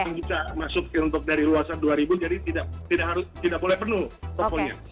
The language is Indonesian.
yang bisa masuk dari luasan dua ribu jadi tidak boleh penuh toko nya